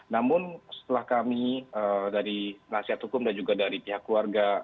namun setelah kami dari nasihat hukum dan juga dari pihak keluarga